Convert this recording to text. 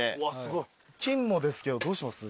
金もですけどどうします？